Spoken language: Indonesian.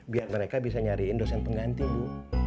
biar mereka bisa nyariin dosen pengganti bu